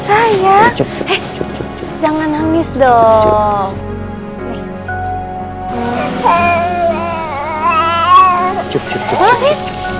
eh jangan nangis dong